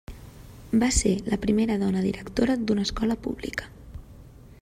Va ser la primera dona directora d'una escola pública.